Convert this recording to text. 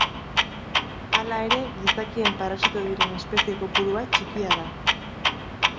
Hala ere gizakien parasito diren espezie kopurua txikia da.